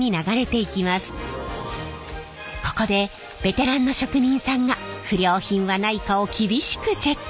ここでベテランの職人さんが不良品はないかを厳しくチェック。